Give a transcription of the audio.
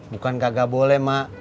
bukan kagak boleh mak